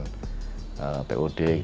kemudian kita kembangkan pud